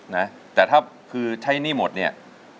นะแต่ถ้าคือใช้หนี้หมดเนี่ย